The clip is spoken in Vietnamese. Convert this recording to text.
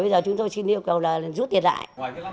bây giờ chúng tôi xin yêu cầu là rút tiền lại